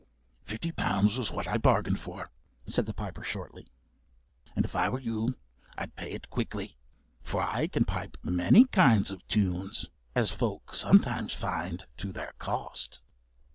"Fifty pounds was what I bargained for," said the piper shortly; "and if I were you I'd pay it quickly. For I can pipe many kinds of tunes, as folk sometimes find to their cost."